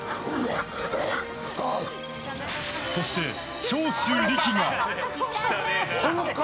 そして、長州力が。